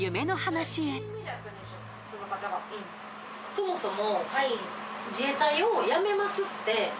そもそも。